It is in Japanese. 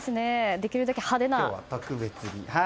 できるだけ派手な。